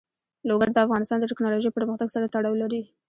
لوگر د افغانستان د تکنالوژۍ پرمختګ سره تړاو لري.